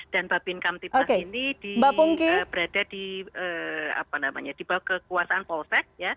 dan babin kam tipmas ini berada di kekuasaan polsek